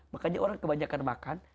makanya orang kebanyakan makan